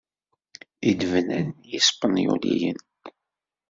I d-bnan yispenyulen.